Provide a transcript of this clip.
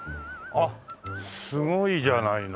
あっすごいじゃないの。